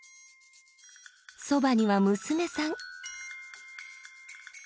そばには娘さん。